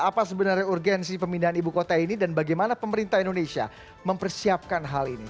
apa sebenarnya urgensi pemindahan ibu kota ini dan bagaimana pemerintah indonesia mempersiapkan hal ini